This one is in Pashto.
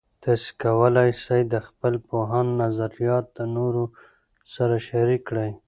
تاسې کولای سئ د خپل پوهاند نظریات د نورو سره شریک کړئ.